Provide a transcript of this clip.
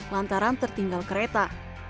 lantaran tertinggal kereta